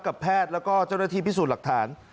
แพทย์แล้วก็เจ้าหน้าที่พิสูจน์หลักฐาน